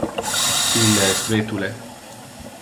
Ille es vetule.